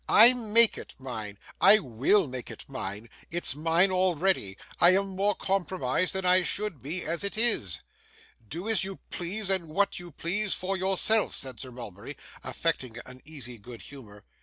'I make it mine; I will make it mine. It's mine already. I am more compromised than I should be, as it is.' 'Do as you please, and what you please, for yourself,' said Sir Mulberry, affecting an easy good humour.